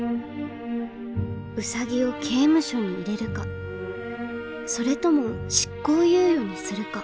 ウサギを刑務所に入れるかそれとも執行猶予にするか。